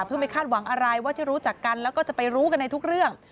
เพื่อไม่คาดหวังอะไรว่าที่รู้จักกันแล้วก็จะไปรู้กันในทุกเรื่อง